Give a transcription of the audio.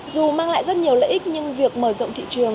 dù mang lại rất nhiều lợi ích nhưng việc mở rộng thị trường